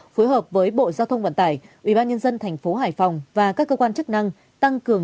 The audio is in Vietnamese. phối hợp với bộ giao thông vận tải ubnd tp hải phòng và các cơ quan chức năng tăng cường